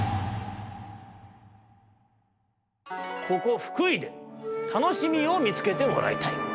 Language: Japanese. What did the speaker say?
ここ福井でたのしみをみつけてもらいたい。